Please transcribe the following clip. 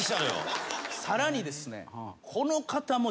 さらにですね。